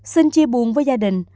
xin chia buồn với gia đình